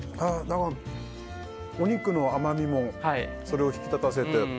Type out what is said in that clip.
お肉の甘みもそれを引き立たせて。